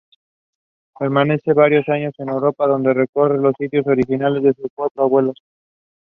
Permanece varios años en Europa donde recorre los sitios originales de sus cuatro abuelos.